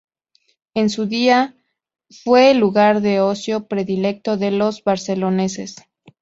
En su día, fue el lugar de ocio predilecto de los barceloneses.